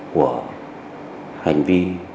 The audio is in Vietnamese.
của hành vi